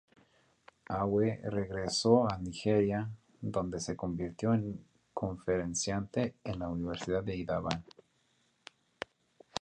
Awe regresó a Nigeria, donde se convirtió en conferenciante en la Universidad de Ibadan.